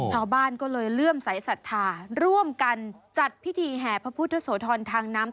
ชาวบ้านก็เลยเลื่อมสายศรัทธาร่วมกันจัดพิธีแห่พระพุทธโสธรทางน้ำ